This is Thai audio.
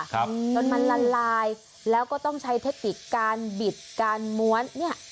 จนมันละลายแล้วก็ต้องใช้เทคนิคการบิดการม้วนเนี้ย